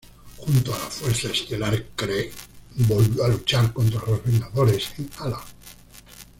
Junto a la Fuerza Estelar Kree, volvió a luchar contra los Vengadores en Hala.